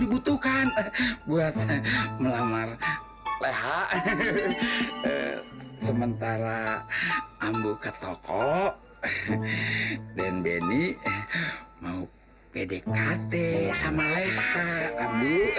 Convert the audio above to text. dibutuhkan buat melamar sementara ambu ke toko dan benny mau pdkt sama leher